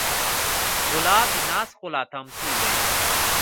ګلاب د ناز ښکلا تمثیل دی.